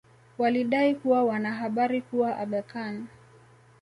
walidai kuwa wana habari kuwa Aga Khan